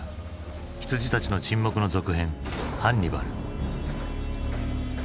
「羊たちの沈黙」の続編「ハンニバル」。